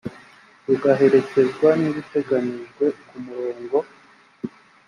rugaherekezwa n ibiteganijwe ku murongo